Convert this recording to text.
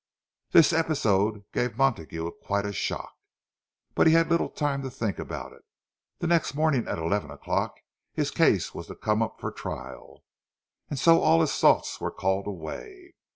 This episode gave Montague quite a shock. But he had little time to think about it—the next morning at eleven o'clock his case was to come up for trial, and so all his thoughts were called away.